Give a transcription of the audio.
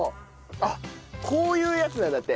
あっこういうやつなんだって。